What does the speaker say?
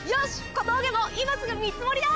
小峠も今すぐ見積りだ！